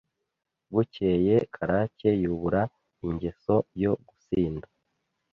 bukeye Karake yubura ingeso yo gusinda